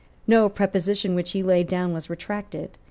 No proposition which he had laid down was retracted.